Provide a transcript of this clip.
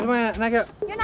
lama dulu ya mah